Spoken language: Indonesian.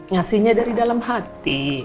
ngasihnya dari dalam hati